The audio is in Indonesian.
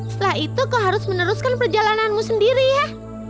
setelah itu kau harus meneruskan perjalananmu sendiri ya